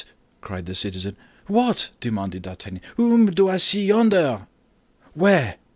—" cried the citizen. "What!" demanded D'Artagnan. "Whom do I see yonder?" "Where?"